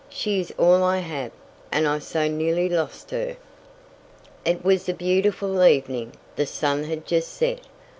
She is all I have, and I so nearly lost her!" It was a beautiful evening. The sun had just set.